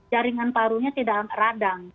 jaringan parunya tidak radang